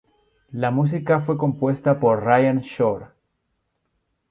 La música fue compuesta por Ryan Shore.